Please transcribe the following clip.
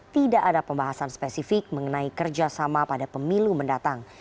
tidak ada pembahasan spesifik mengenai kerjasama pada pemilu mendatang